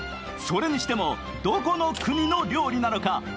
それにしても、どこの国の料理なのか。